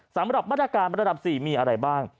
สำหรับประถานการณ์ระดับ๔มีอะไรบ้าง